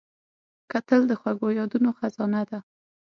کتل د خوږو یادونو خزانه ده